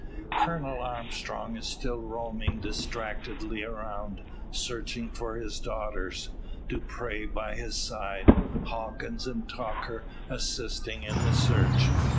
Colonel Armstrong is still roaming distractedly around, searching for his daughters, Dupre by his side, Hawkins and Tucker assisting in the search.